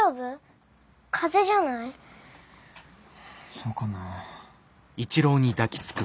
そうかな。